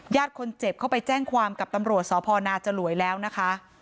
คนเจ็บเข้าไปแจ้งความกับตำรวจสพนาจลวยแล้วนะคะ